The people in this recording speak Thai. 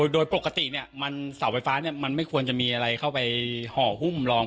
โดยปกติเสาไฟฟ้ามันไม่ควรจะมีอะไรเข้าไปห่อหุ้มลอง